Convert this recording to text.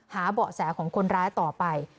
เบาะแสของคนร้ายต่อไป